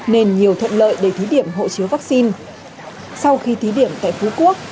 nên nhiều thuận lợi để thí điểm hộ chiếu vắc xin sau khi thí điểm tại phú quốc